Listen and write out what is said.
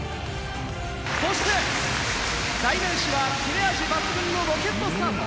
そして代名詞は切れ味抜群のロケットスタート